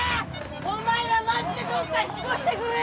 お前らマジでどっか引っ越してくれ！